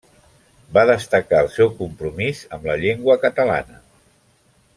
Va destacar el seu compromís amb la llengua catalana.